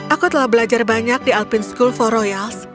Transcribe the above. aku telah belajar banyak di alpin school for royals